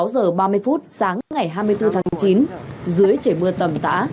sáu giờ ba mươi phút sáng ngày hai mươi bốn tháng chín dưới trời mưa tầm tã